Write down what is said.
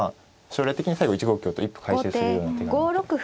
将来的に最後１五香と一歩回収するような手があるので。